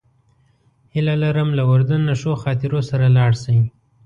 هیله لرم له اردن نه ښو خاطرو سره لاړ شئ.